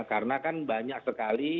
karena kan banyak sekali